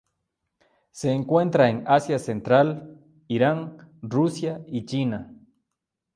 Se encuentra en Asia Central, Irán, Rusia y China.